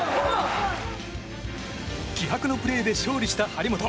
気迫のプレーで勝利した張本。